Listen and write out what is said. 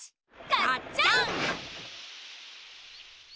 がっちゃん！